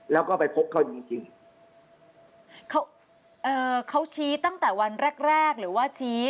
แล้วก็ไปพบเขาจริงจริงเขาเอ่อเขาชี้ตั้งแต่วันแรกแรกหรือว่าชี้